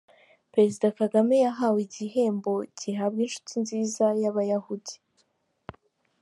Perezida Kagame yahawe igihembo gihabwa inshuti nziza y’ Abayahudi.